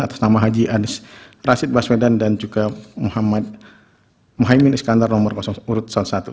atas nama haji anies rashid baswedan dan juga muhammad iskandar nomor urut satu